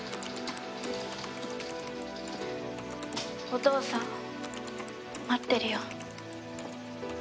お父さん待ってるよ。